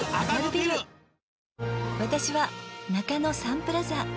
私は中野サンプラザ。